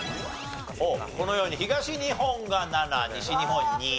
このように東日本が７西日本２。